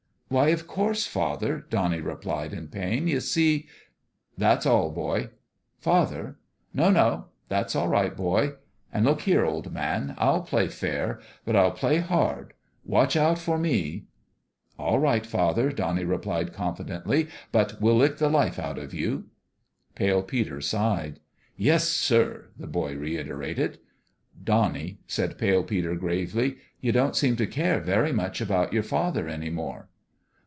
" Why, of course, father !" Donnie replied, in pain. "You see " "That's all, boy." "Father " "No, no! That's all right, boy. And look here, old man : I'll play fair, but I'll play hard. Watch out for me !" 290 FATHER AND SON "All right, father," Bonnie replied, con fidently ;" but we'll lick the life out of you." Pale Peter sighed. " Yes, sir I " the boy reiterated. "Donnie," said Pale Peter, gravely, "you don't seem to care very much about your father any more."